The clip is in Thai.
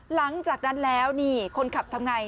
หลังจากนั้นแล้วนี่คนขับทำไง